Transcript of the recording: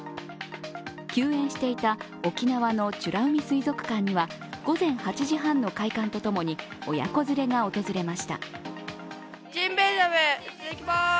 休園していた沖縄の美ら海水族館には午前８時半の開館とともに親子連れが訪れました。